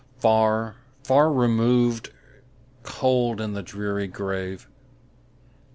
Far, far removed, cold in the dreary grave!